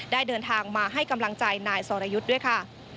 เดินทางมาให้กำลังใจนายสรยุทธ์ด้วยค่ะ